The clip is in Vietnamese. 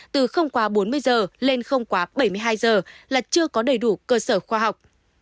từ không quá bốn mươi giờ lên không quá bảy mươi hai giờ là chưa có đầy đủ cơ sở khoa học